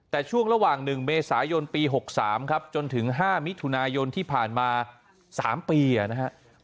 แต่ช่วงระหว่าง๑เมษายนปี๖๓ครับจนถึง๕มิถุนายนที่ผ่านมา๓ปีนะครับ